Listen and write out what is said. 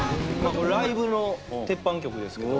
これライブの鉄板曲ですけど。